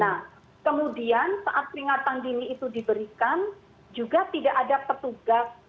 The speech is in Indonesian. nah kemudian saat peringatan dini itu diberikan juga tidak ada petugas